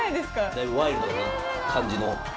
だいぶワイルドな感じの。